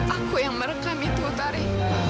aku yang merekam itu tadi